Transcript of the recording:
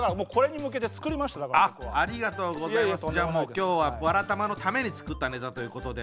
今日は「わらたま」のために作ったネタということで。